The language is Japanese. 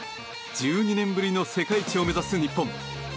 １２年ぶりの世界一を目指す日本。